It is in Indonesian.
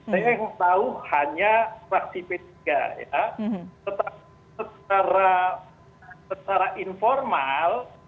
saya yang tahu hanya fraksi p tiga ya tetapi secara informal